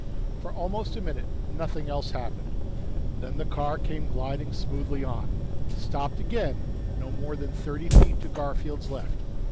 For almost a minute, nothing else happened. Then the car came gliding smoothly on, stopped again no more than thirty feet to Garfield's left.